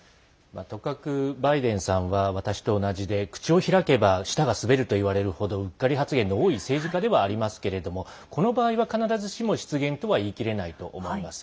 とかくバイデンさんは私と同じで、口を開けば舌が滑るといわれるほどうっかり発言の多い政治家ではありますけれどもこの場合は、必ずしも失言とは言い切れないと思います。